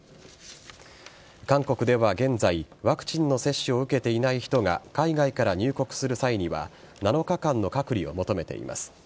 韓国では現在ワクチンの接種を受けていない人が海外から入国する際には７日間の隔離を求めています。